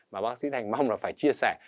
mà bác sĩ thành mong là phải chia sẻ